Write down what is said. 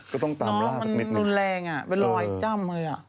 ก็ตรงตามร่าสิน่อมันแรงอะเป็นรอยจ้ำเลยอะ